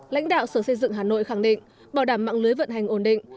lãnh đạo sở xây dựng hà nội khẳng định bảo đảm mạng lưới vận hành ổn định